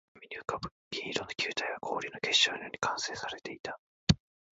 暗闇に浮ぶ銀色の球体は、氷の結晶のように完成されていた